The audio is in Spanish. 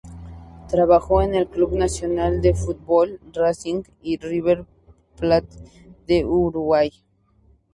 Trabajó en el Club Nacional de Football, Racing, y River Plate de Uruguay.